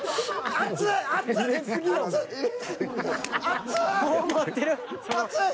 熱い！